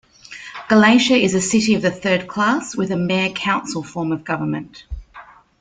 Galatia is a city of the third class with a mayor-council form of government.